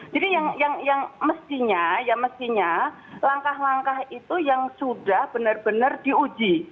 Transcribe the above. jadi yang mestinya langkah langkah itu yang sudah benar benar diuji